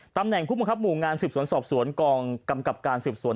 ตำแหน่งผู้บังคับหมู่งานสืบสวนสอบสวนกองกำกับการสืบสวน